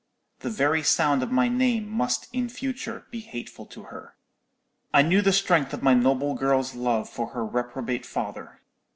The very sound of my name must in future be hateful to her. "I knew the strength of my noble girl's love for her reprobate father.